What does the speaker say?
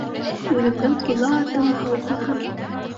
Үҙемдең ҡола атым һау булһын.